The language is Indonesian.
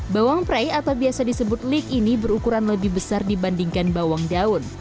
bawang pre atau biasa disebut lic ini berukuran lebih besar dibandingkan bawang daun